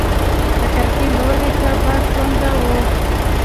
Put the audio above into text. د کړکۍ لوري ته باد تونده و.